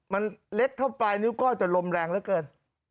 มันเล็กเท่าปลายนิ้วก้อยจะลมแรงเหลือเกิน